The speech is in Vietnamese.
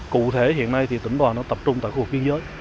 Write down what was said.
cụ thể hiện nay thì tỉnh đoàn nó tập trung tại khu vực biên giới